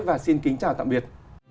và xin kính chào tạm biệt